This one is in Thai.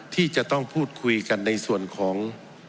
ที่จะต้องพูดคุยกันในส่วนของ